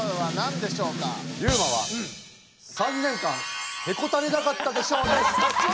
ユウマは「３年間へこたれなかったで賞」です！